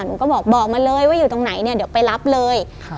หนูก็บอกบอกมาเลยว่าอยู่ตรงไหนเนี่ยเดี๋ยวไปรับเลยครับ